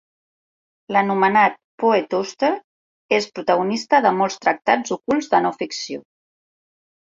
L'anomenat Poe Toaster és protagonista de molts tractats ocults de no ficció.